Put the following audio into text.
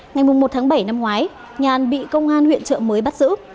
ngày một tháng bảy năm ngoái nhàn bị công an huyện trợ mới bắt giữ